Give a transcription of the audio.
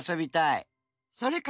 それから？